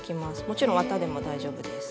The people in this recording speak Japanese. もちろん綿でも大丈夫です。